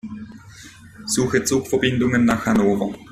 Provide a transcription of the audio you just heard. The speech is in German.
Suche Zugverbindungen nach Hannover.